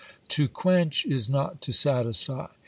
" To quench is not to satisfy.